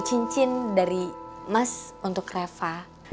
cincin dari mas untuk reva